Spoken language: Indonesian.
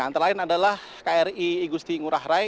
antara lain adalah kri igusti ngurah rai